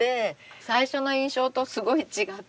最初の印象とすごい違って。